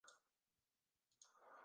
Se le venera como santo desde su muerte.